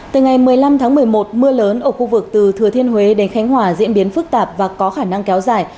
từ ngày một mươi năm tháng một mươi một mưa lớn ở khu vực từ thừa thiên huế đến khánh hòa diễn biến phức tạp và có khả năng kéo dài